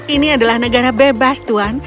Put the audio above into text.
ini adalah negara bebas tuan